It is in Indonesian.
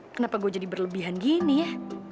kenapa gue jadi berlebihan gini ya